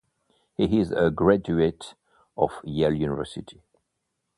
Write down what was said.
He is a graduate of Yale University.